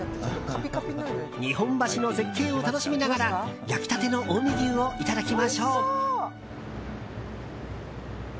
日本橋の絶景を楽しみながら焼き立ての近江牛をいただきましょう。